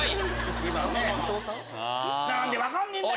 「何で分かんねえんだよ」。